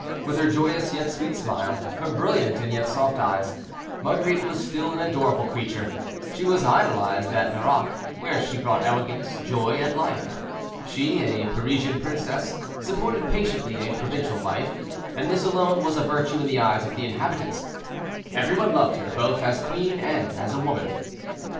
With her joyous yet sweet smile, her brilliant and yet soft eyes, Marguerite was still an adorable creature. She was idolized at Nerac, where she brought elegance, joy, and life. She, a Parisian princess, supported patiently a provincial life, and this alone was a virtue in the eyes of the inhabitants. Every one loved her, both as queen and as woman.